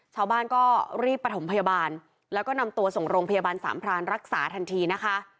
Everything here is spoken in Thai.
ชาวบ้านก็รีบประถมพยาบาลแล้วก็นำตัวส่งโรงพยาบาลสามพรานรักษาทันทีนะคะ